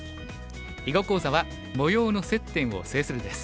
囲碁講座は「模様の接点を制する」です。